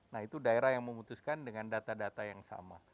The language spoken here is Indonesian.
nah itu daerah yang memutuskan dengan data data yang sama